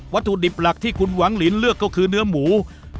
ถุดิบหลักที่คุณหวังลินเลือกก็คือเนื้อหมู